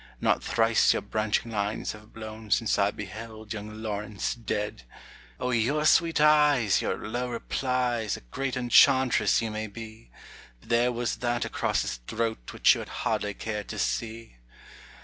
Not thrice your branching lines have blown Since I beheld young Laurence dead. O your sweet eyes, your low replies: A great enchantress you may be; But there was that across his throat Which you had hardly cared to see.